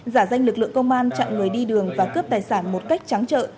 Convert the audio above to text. giả danh lực lượng công an chặn người đi đường và cướp tài sản một cách trắng trợ